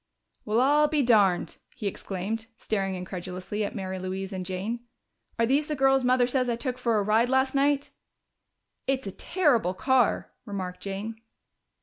"Well, I'll be darned!" he exclaimed, staring incredulously at Mary Louise and Jane. "Are these the girls Mother says I took for a ride last night?" "It's a terrible car," remarked Jane.